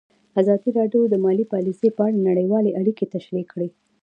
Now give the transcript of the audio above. ازادي راډیو د مالي پالیسي په اړه نړیوالې اړیکې تشریح کړي.